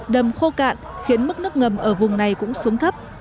đầm khô cạn khiến mức nước ngầm ở vùng này cũng xuống thấp